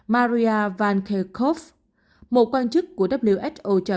maria van kerkhove một quan chức của who